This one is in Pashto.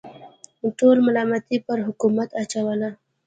ټوله ملامتي پر حکومت اچوله.